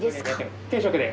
定食で？